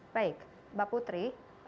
baik mbak putri